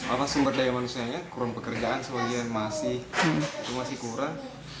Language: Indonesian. apa sumber daya manusianya kurang pekerjaan sebagian masih itu masih kurang